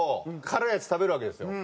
辛いやつ食べるわけですよ。